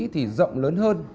thì rộng lớn hơn